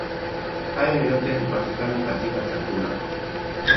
Hayo yote hupatikana katika chakula.